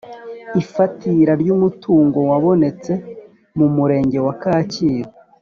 Ifatira ry’ umutungo wabonetse mu murenge wa kacyiru